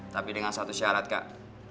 tapi dengan satu syarat kak